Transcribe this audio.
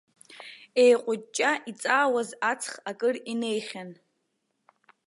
Еиҟәыҷҷа иҵаауаз аҵх акыр инеихьан.